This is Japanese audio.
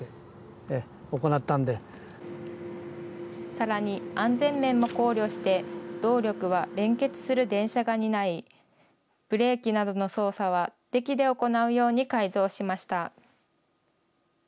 さらに、安全面も考慮して、動力は連結する電車が担い、ブレーキなどの操作はデキで行うように改造しました。